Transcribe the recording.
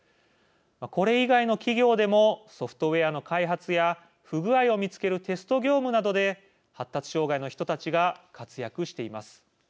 これ以外の企業でもソフトウエアの開発や不具合を見つけるテスト業務などで発達障害の人たちが活躍しています。